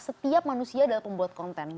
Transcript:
setiap manusia adalah pembuat konten